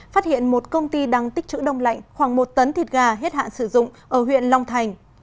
phát hiện một công ty đang tích trữ đông lạnh khoảng một tấn thịt gà hết hạn sử dụng ở huyện long thành